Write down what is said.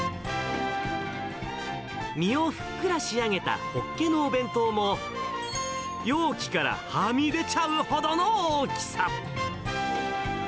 身をふっくら仕上げたホッケのお弁当も、容器からはみ出ちゃうほどの大きさ。